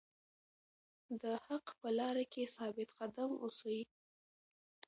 د حق په لاره کې ثابت قدم اوسئ.